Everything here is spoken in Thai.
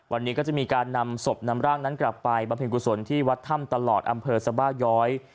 วันนี้ก็จะมีการนำศพนำร่างนั้นกลับไปบำเพ็ญกุศลที่วัดถ้ำตลอดอำเภอสบาย้อย